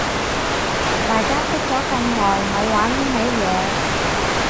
大家識咗咁耐咪玩呢味嘢